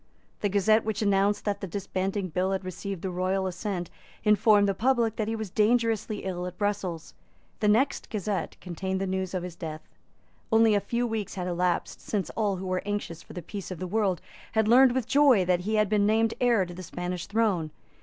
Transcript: The Gazette which announced that the Disbanding Bill had received the royal assent informed the public that he was dangerously ill at Brussels. The next Gazette contained the news of his death. Only a few weeks had elapsed since all who were anxious for the peace of the world had learned with joy that he had been named heir to the Spanish throne.